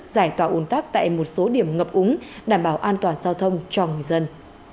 giải tỏa ồn tắc tại một số điểm ngập úng đảm bảo an toàn giao thông cho người dân